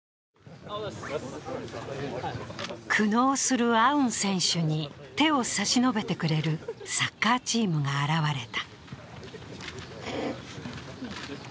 苦悩するアウン選手に手を差し伸べてくれるサッカーチームが現れた。